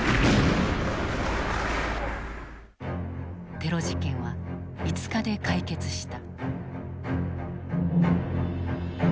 テロ事件は５日で解決した。